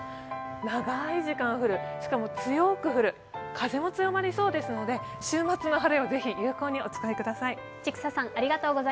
長い時間降る、しかも強く降る、風も強まりそうですので、週末の晴れをぜひ有効にお使いください。